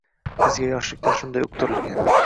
Bizga yoshlikdan shunday uqtirilgan